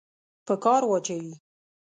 په کار واچوي.